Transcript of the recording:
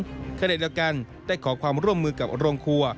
ขณะเดียวกันได้ขอความร่วมมือกับโรงครัว